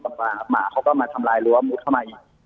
กับหมาเขาก็มาทำลายรัวมุดเข้ามาอีก